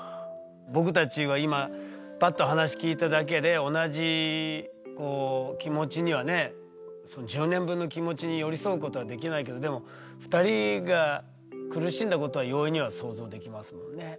僕たちは今パッと話聞いただけで同じ気持ちにはねその１０年分の気持ちに寄り添うことはできないけどでも２人が苦しんだことは容易には想像できますもんね。